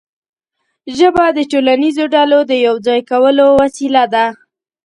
ژبه د ټولنیزو ډلو د یو ځای کولو وسیله ده.